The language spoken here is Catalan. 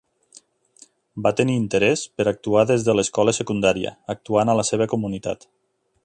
Va tenir interès per actuar des de l'escola secundària, actuant a la seva comunitat.